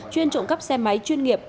chuyên trộm cắp xe máy chuyên nghiệp